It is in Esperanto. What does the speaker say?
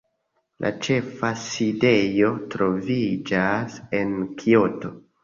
La ĉefa sidejo troviĝas en Kioto.